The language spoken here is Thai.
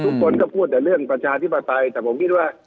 ทุกคนก็พูดแต่เรื่องประชาธิปไตยแต่ผมคิดว่า